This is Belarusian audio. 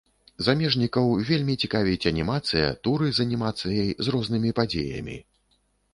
Замежнікаў вельмі цікавіць анімацыя, туры з анімацыяй, з рознымі падзеямі.